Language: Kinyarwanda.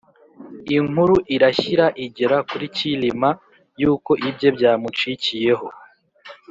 inkuru irashyira igera kuri cyilima y'uko ibye byamucikiyeho